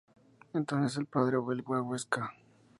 Entonces el padre vuelve a Huesca.